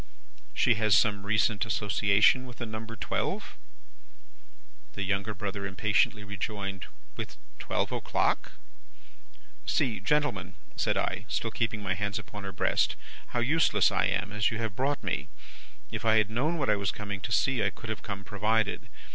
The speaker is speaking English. "'She has some recent association with the number twelve?' "The younger brother impatiently rejoined, 'With twelve o'clock?' "'See, gentlemen,' said I, still keeping my hands upon her breast, 'how useless I am, as you have brought me! If I had known what I was coming to see, I could have come provided.